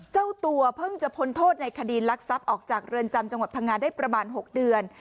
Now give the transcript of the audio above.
เจ้าตัวเพิ่งจะพ้นโทษในคดีลักทรัพย์ออกจากเรือนจำจังหวัดพังงาได้ประมาณ๖เดือน